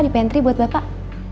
di pantry buat bapak